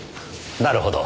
なるほど。